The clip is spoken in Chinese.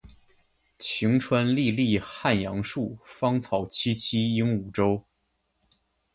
晴川历历汉阳树，芳草萋萋鹦鹉洲。